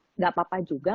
tidak apa apa juga